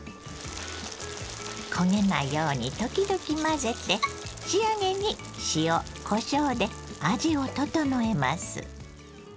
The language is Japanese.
焦げないように時々混ぜて仕上げに塩こしょうで味を調えます。